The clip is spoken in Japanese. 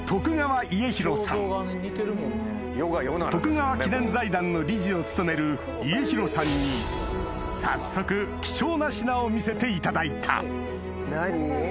川記念財団の理事を務める家広さんに早速貴重な品を見せていただいた何？